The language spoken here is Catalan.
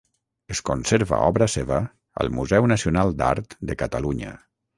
Es conserva obra seva al Museu Nacional d'Art de Catalunya.